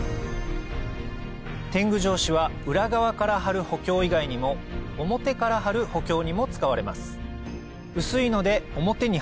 典具帖紙は裏側から貼る補強以外にも表から貼る補強にも使われます